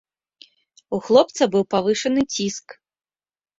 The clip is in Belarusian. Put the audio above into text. У хлопца быў павышаны ціск.